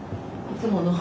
いつもの。